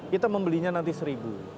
kita membelinya nanti seribu